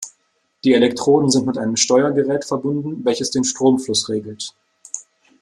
Die Elektroden sind mit einem Steuergerät verbunden, welches den Stromfluss regelt.